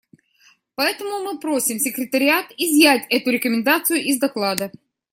Поэтому мы просим Секретариат изъять эту рекомендацию из доклада.